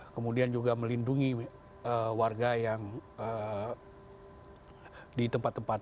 kemudian juga melindungi warga yang di tempat tempat